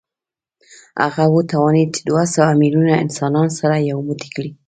هغه وتوانېد چې دوه سوه میلیونه انسانان سره یو موټی کړي